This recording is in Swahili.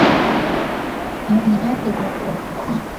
Miwani yake ilianguka ikavunjika.